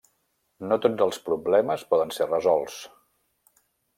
No tots els problemes poden ser resolts.